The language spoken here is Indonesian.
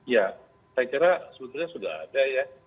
ya saya kira sebetulnya sudah ada ya